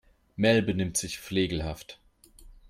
Mel benimmt sich flegelhaft.